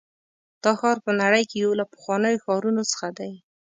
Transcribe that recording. دا ښار په نړۍ کې یو له پخوانیو ښارونو څخه دی.